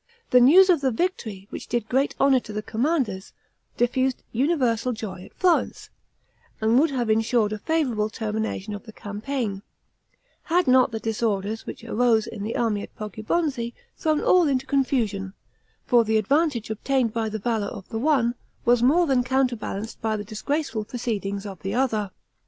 The news of the victory, which did great honor to the commanders, diffused universal joy at Florence, and would have ensured a favorable termination of the campaign, had not the disorders which arose in the army at Poggibonzi thrown all into confusion; for the advantage obtained by the valor of the one, was more than counterbalanced by the disgraceful proceedings of the other.